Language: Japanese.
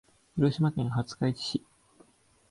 広島県廿日市市